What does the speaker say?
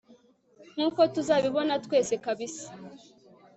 nkuko tuzabibona twese kabisa